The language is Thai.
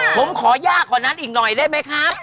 ผมขอยากกว่านั้นอีกหน่อยได้ไหมครับ